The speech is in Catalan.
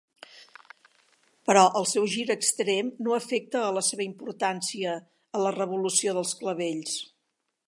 Però el seu gir extrem no afecta a la seva importància a la Revolució dels Clavells.